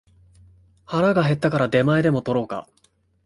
腹が減ったから出前でも取ろうか